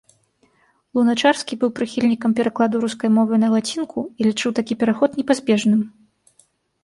Луначарскі быў прыхільнікам перакладу рускай мовы на лацінку і лічыў такі пераход непазбежным.